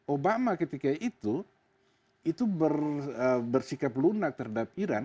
obama ketika itu itu bersikap lunak terhadap iran